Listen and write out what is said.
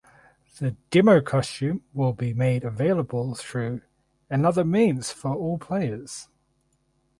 The demo costume will be made available through another means for all players.